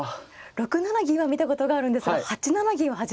６七銀は見たことがあるんですが８七銀は初めて見ました。